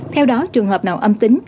theo đó trường hợp nào âm tính